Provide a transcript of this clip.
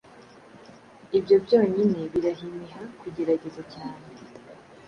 Ibyo byonyine birahimiha kugerageza cyane